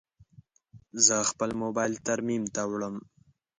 زه خپل موبایل ترمیم ته وړم.